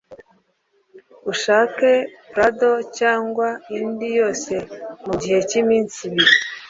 ushake prado cyangwa indi yose mu gihe cy’iminsi ibiri